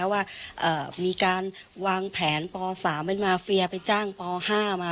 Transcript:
ว่ามีการวางแผนป๓เป็นมาเฟียไปจ้างป๕มา